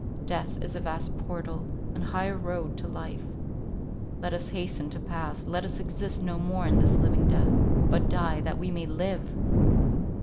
Death is a vast portal, an high road to life: let us hasten to pass; let us exist no more in this living death, but die that we may live!